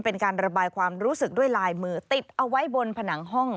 เป็นการระบายความรู้สึกด้วยลายมือติดเอาไว้บนผนังห้อง